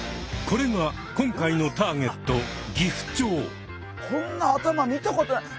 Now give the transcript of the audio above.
これが今回のターゲットこんな頭見たことない！